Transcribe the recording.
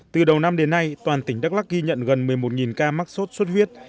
từ đầu năm đến nay toàn tỉnh đắk lắc ghi nhận gần một mươi một ca mắc sốt xuất huyết